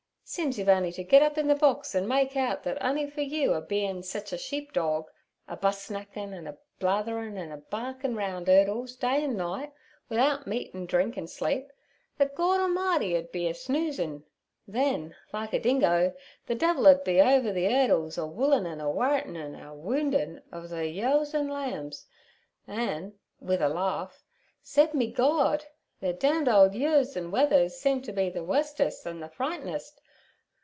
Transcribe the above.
Seems you've on'y t' git up in the box an' make out thet on'y for you a bein' sich a sheep dorg a busnackin', an' a blatherin', an' a barkin' roun' 'urdles day an' night wi'out meat an' drink an' sleep, thet Gord A'mighty 'ud be a snoozin'; then like a dingo, ther devil 'ud be over ther 'urdles a woolin', an' a worritin, an' a woundin' ov ther yeos an' lambs. An"—with a laugh—'s'ep me Gord! ther d—d ole yeos an' wethers seem t' be ther wustest, an' ther frightenest.